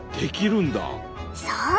そう！